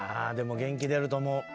でも元気出ると思う。